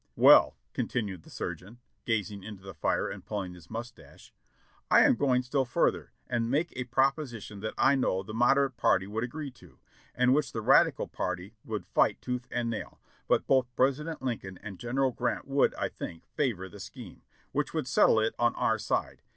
"Well," continued the surgeon, gazing into the fire and pull ing his moustache, "I am going still farther, and make a proposal that I know the Moderate party would agree to, and which the Radical party would fight tooth and nail, but both President Lin coln and General Grant would, I think, favor the scheme, which would settle it on our side.